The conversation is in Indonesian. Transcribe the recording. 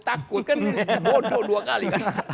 takut kan bodoh dua kali